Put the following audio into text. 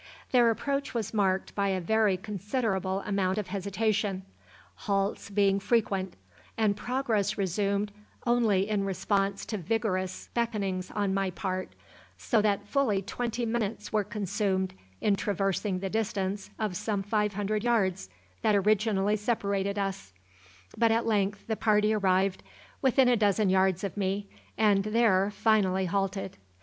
Their approach was marked by a very considerable amount of hesitation, halts being frequent, and progress resumed only in response to vigorous beckonings on my part, so that fully twenty minutes were consumed in traversing the distance of some five hundred yards that originally separated us; but at length the party arrived within about a dozen yards of me, and there finally halted.